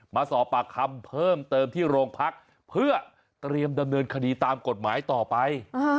มาสอบปากคำเพิ่มเติมที่โรงพักเพื่อเตรียมดำเนินคดีตามกฎหมายต่อไป